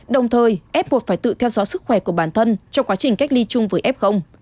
đồng thời ép buộc phải tự theo dõi sức khỏe của bản thân trong quá trình cách ly chung với f